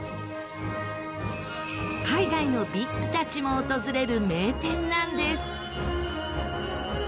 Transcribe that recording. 海外のＶＩＰたちも訪れる名店なんです。